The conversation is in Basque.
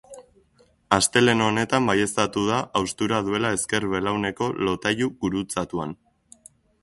Astelehen honetan baieztatu da haustura duela ezker belauneko lotailu gurutzatuan.